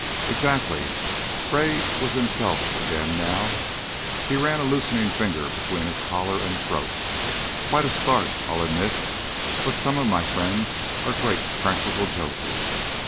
_" "Exactly!" Gray was himself again now. He ran a loosening finger between his collar and throat. "Quite a start, I'll admit, but some of my friends are great practical jokers.